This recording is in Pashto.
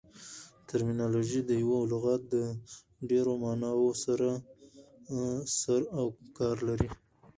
ټرمینالوژي د یوه لغات د ډېرو ماناوو سره سر او کار لري.